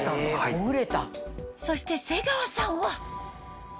そして瀬川さんはあ！